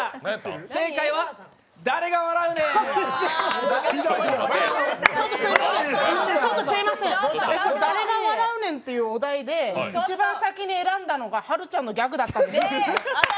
正解は「誰が笑うねん！」ちょっとすいません誰が笑うねんってお題で一番先に選んだのが、はるちゃんのギャグだったんですよ。